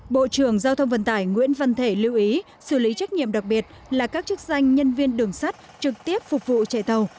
bộ trưởng giao thông vận tải nguyễn văn thể lưu ý xử lý trách nhiệm đặc biệt là các chức danh nhân viên đường sắt trực tiếp phục vụ chạy tàu